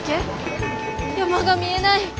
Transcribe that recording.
山が見えない。